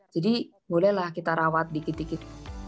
jadi bolehlah kita rawat dikit dikit